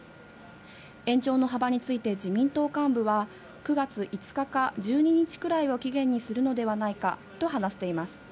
延長の幅について、自民党幹部は、９月５日か１２日くらいを期限にするのではないかと話しています。